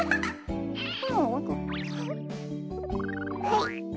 はい。